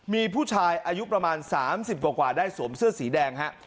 มีผู้ชายอายุประมาณ๓๐กว่าได้สวมเสื้อสีแดงฮะ